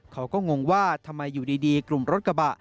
งงว่าทำไมอยู่ดีกลุ่มรถกระบะ